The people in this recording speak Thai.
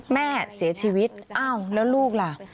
แม่เสียชีวิตอ้าวแล้วลูกล่ะ